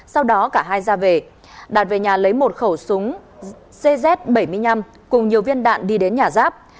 sau đó cả hai ra về đạt về nhà lấy một khẩu súng cz bảy mươi năm cùng nhiều viên đạn đi đến nhà giáp